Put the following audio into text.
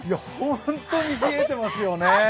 本当に冷えてますよね。